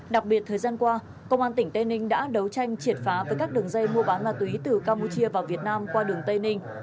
đặc biệt thời gian qua công an tỉnh tây ninh đã đấu tranh triệt phá với các đường dây mua bán ma túy từ campuchia vào việt nam qua đường tây ninh